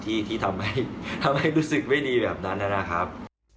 ที่ทำให้รู้สึกไม่ดีแบบนั้นนะครับ